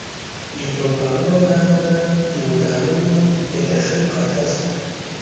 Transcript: د طوفانونو له امله د ودانیو د تخریب خطر شته.